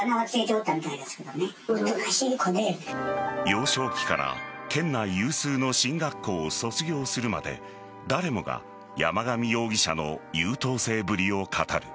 幼少期から県内有数の進学校を卒業するまで誰もが山上容疑者の優等生ぶりを語る。